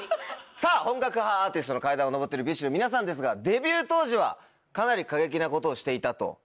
さぁ本格派アーティストの階段を上ってるＢｉＳＨの皆さんですがデビュー当時はかなり過激なことをしていたと。